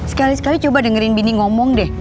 sekali sekali coba dengerin bini ngomong deh